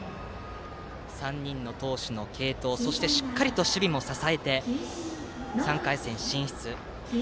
３人の投手の継投そしてしっかりと守備も支えて３回戦進出。